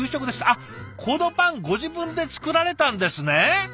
あっこのパンご自分で作られたんですね。